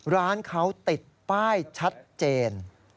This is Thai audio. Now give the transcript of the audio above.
ร้านเขาติดป้ายชัดเจน